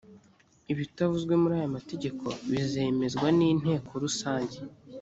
ibitavuzwe muri aya mategeko bizemezwa n’inteko rusange